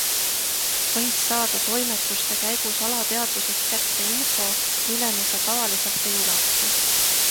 Võid saada toimetuste käigus alateadvusest kätte info, milleni sa tavaliselt ei ulatu.